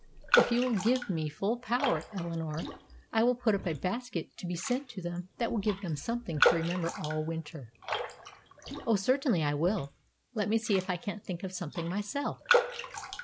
"If you will give me full power, Eleanor, I will put up a basket to be sent to them that will give them something to remember all winter." "O, certainly I will. Let me see if I can't think of something myself."